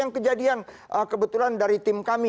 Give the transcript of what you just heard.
yang kejadian kebetulan dari tim kami